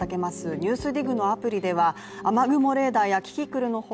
「ＮＥＷＳＤＩＧ」のアプリでは雨雲レーダーやキキクルの他